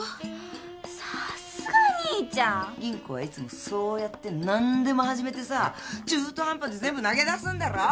吟子はいつもそうやって何でも始めてさ中途半端で全部投げ出すんだろ。